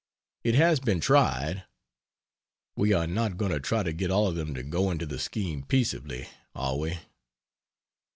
It has been tried. We are not going to try to get all of them to go into the scheme peaceably, are we?